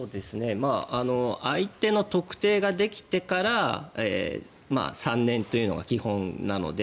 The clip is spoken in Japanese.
相手の特定ができてから３年というのが基本なので。